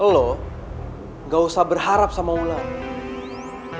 lo gak usah berharap sama wulandari